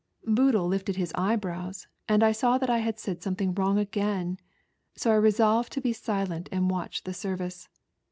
Boodle lifted his eyebrows, and I saw that I had said something wrong again, so I resolved to be silent and watch the service.